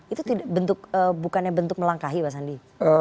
itu bukannya bentuk melangkahi pak sandi